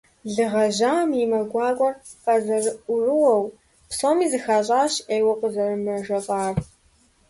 Лы гъэжьам и мэ гуакӀуэр къазэрыӀурыуэу, псоми зыхащӀащ Ӏейуэ къызэрымэжэлӀар.